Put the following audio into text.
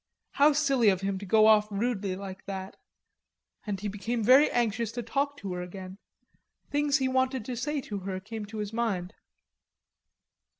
How silly of him to go off rudely like that! And he became very anxious to talk to her again; things he wanted to say to her came to his mind.